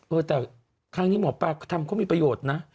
เออแต่ครั้งนี้หมอปลาก็ทำเขามีประโยชน์นะ